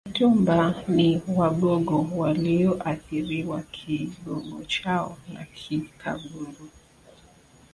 Wetumba ni Wagogo walioathiriwa Kigogo chao na Kikaguru